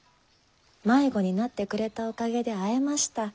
迷子になってくれたおかげで会えました。